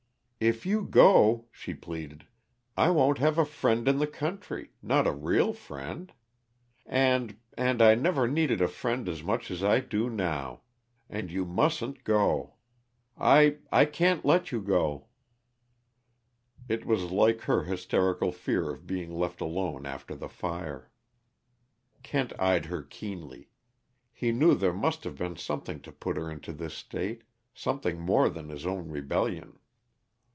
"If you go," she pleaded, "I won't have a friend in the country, not a real friend. And and I never needed a friend as much as I do now, and you mustn't go. I I can't let you go!" It was like her hysterical fear of being left alone after the fire. Kent eyed her keenly. He knew there must have been something to put her into this state something more than his own rebellion.